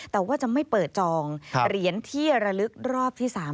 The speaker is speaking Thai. แต่ว่าจะไม่เปิดจองเหรียญที่ระลึกรอบที่๓